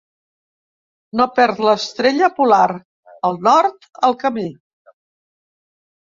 No perd l’estrella polar, el nord, el camí.